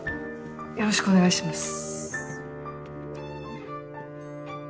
よろしくお願いします。